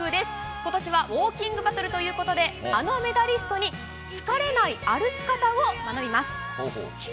今年はウォーキングバトルということで、あのメダリストに疲れない歩き方を学びます。